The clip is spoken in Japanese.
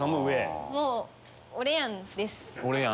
もう俺やん！です。